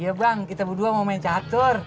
ya bang kita berdua mau main catur